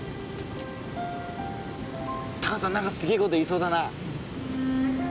高原さん何かすげえこと言いそうだな。